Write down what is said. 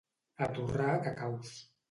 A torrar cacaus.